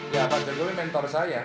ya pak jokowi mentor saya